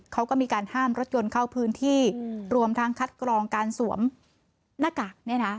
เขาก็มีการห้ามรถยนต์เข้าพื้นที่รวมทั้งคัดกรองการสวมหน้ากากเนี่ยนะ